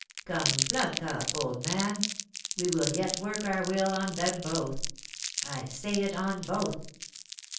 Come, pluck up, old man; we will yet work our will on them both. I say it, on both!"